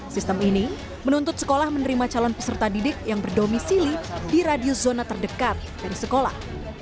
sistem ini menuntut sekolah menerima calon peserta didik yang berdomisili di radius zona terdekat dari sekolah